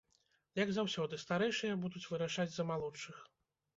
Як заўсёды, старэйшыя будуць вырашаць за малодшых.